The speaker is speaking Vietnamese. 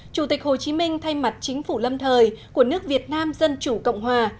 chủ tịch hồ chí minh thay mặt chính phủ lâm thời của nước việt nam dân chủ cộng hòa